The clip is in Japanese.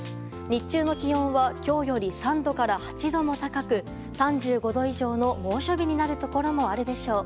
日中の気温は今日より３度から８度も高く３５度以上の猛暑日になるところもあるでしょう。